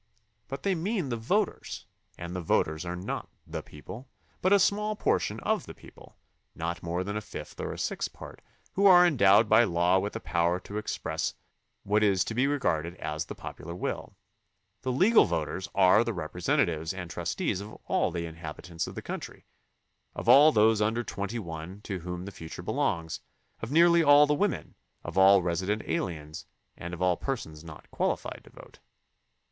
But they mean the voters, and the voters are not the people, but a small portion of the people, not more than a fifth or a sixth part, who are endowed by law with the power to express what is to be regarded as the popular will. The legal voters are the representatives and trustees of all the inhabitants of the country, of all those under twenty one to whom the future belongs, of nearly all the women, of all resident aliens, and of all persons not qualified to vote.